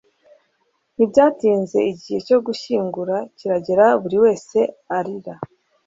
ntibyatinze igihe cyo gushyingura kiragera buri wese arira